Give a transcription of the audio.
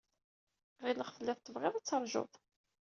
Ɣileɣ tellid tebɣid ad teṛjud.